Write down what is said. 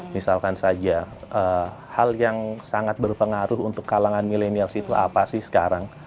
misalkan saja hal yang sangat berpengaruh untuk kalangan milenials itu apa sih sekarang